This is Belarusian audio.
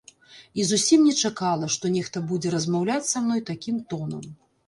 І зусім не чакала, што нехта будзе размаўляць са мной такім тонам.